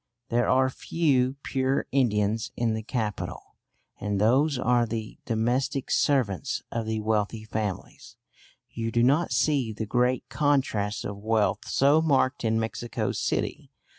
There are few pure Indians in the capital, and those are the domestic servants of the wealthy families. You do not see the great contrasts of wealth so marked in Mexico City.